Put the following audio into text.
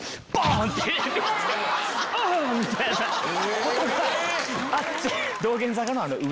うっ！みたいなことがあって。